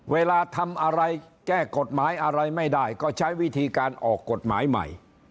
เวลาทำอะไรแก้กฎหมายอะไรไม่ได้ก็ใช้วิธีการออกกฎหมายใหม่